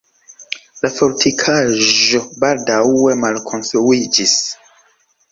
La fortikaĵo baldaŭe malkonstruiĝis.